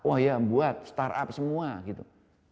oh ya buat startup semua gitu